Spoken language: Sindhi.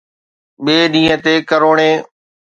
ٻئي ڏينهن تي ڪروڙين